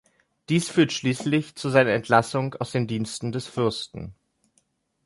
Dies führt schließlich zu seiner Entlassung aus den Diensten des Fürsten.